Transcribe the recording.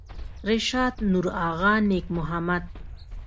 رشاد نورآغا نیک محمد